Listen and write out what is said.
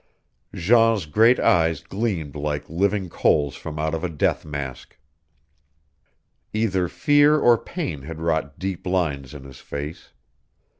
Jean's great eyes gleamed like living coals from out of a death mask. Either fear or pain had wrought deep lines in his face.